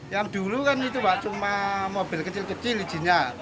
yang dulu kan itu pak cuma mobil kecil kecil izinnya